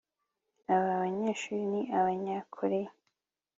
Aba banyeshuri ni Abanyakoreya